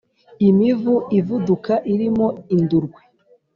Imivu ivuduka irimo indurwe